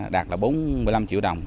đạt là bốn mươi năm triệu đồng